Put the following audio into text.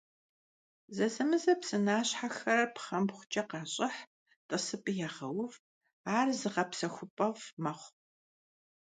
Зэзэмызэ псынащхьэр пхъэмбгъукӀэ къащӀыхь, тӀысыпӀи ягъэув, ар зыгъэпсэхупӀэфӀ мэхъу.